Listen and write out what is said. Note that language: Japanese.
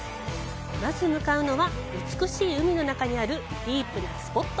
まず向かうのは美しい海の中にあるディープなスポット。